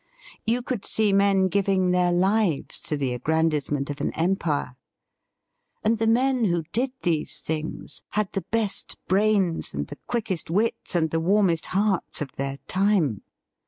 You could see men giving their lives to the aggrandisement of an empire. And the men who did these things had the best brains and the quickest wits and the warmest hearts of their time.